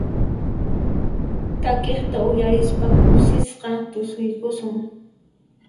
Takiqta uyarispa kusisqa tusuyukusun.